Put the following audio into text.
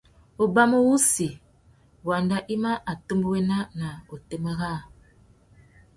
Ubamú wussi, wanda i mà atumbéwena na otémá râā.